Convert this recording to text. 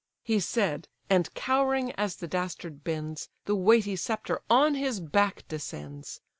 He said, and cowering as the dastard bends, The weighty sceptre on his back descends.